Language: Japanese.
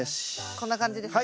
こんな感じですか？